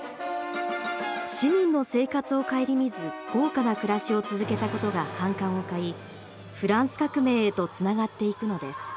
市民の生活を顧みず豪華な暮らしを続けたことが反感を買いフランス革命へとつながっていくのです。